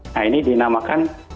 nah ini dinamakan